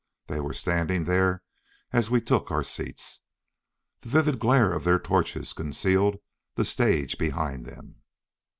They were standing there as we took our seats. The vivid glare of their torches concealed the stage behind them.